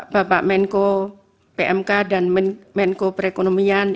bapak menko pmk dan menko perekonomian